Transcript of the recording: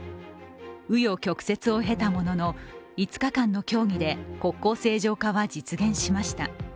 紆余曲折を経たものの、５日間の協議で国交正常化は実現しました。